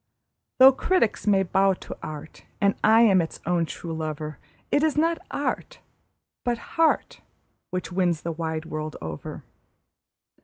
Though critics may bow to art, and I am its own true lover, It is not art, but heart, which wins the wide world over.